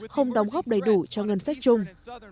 không đóng góp đầy đủ cho ngân sách chung